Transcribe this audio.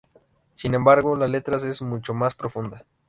Sin embargo, la letra es mucho más profunda.